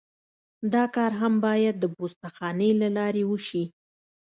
دا کار هم باید د پوسته خانې له لارې وشي